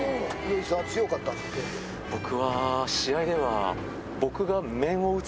僕は試合では。